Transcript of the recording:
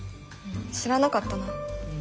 知らなかったな。